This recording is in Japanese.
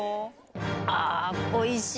あおいしい。